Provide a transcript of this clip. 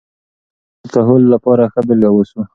موږ باید د نوي کهول لپاره ښه بېلګه واوسو.